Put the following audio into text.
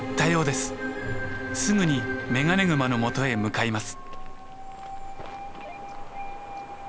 すぐにメガネグマのもとへ向かいます。